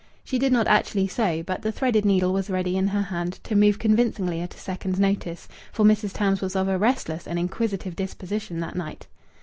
She did not actually sew, but the threaded needle was ready in her hand to move convincingly at a second's notice, for Mrs. Tams was of a restless and inquisitive disposition that night.